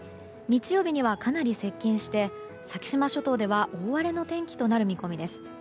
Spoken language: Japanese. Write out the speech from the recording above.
日曜日にはかなり接近して先島諸島では大荒れの天気となる見込みです。